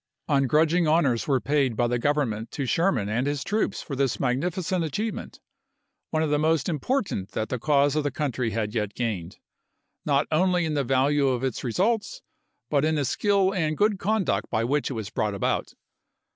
Ungrudging honors were paid by the Govern ment to Sherman and his troops for this magnifi cent achievement, one of the most important that the cause of the country had yet gained, not only in the value of its results, but in the skill and good conduct by which it was brought about.